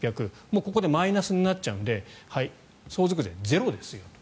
ここでマイナスになっちゃうので相続税ゼロですよと。